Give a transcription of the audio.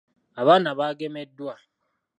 Abaana bagemeddwa.